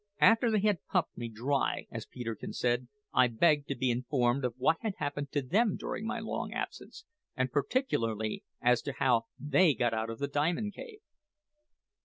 After they had `pumped me dry,' as Peterkin said, I begged to be informed of what had happened to them during my long absence, and particularly as to how they got out of the Diamond Cave.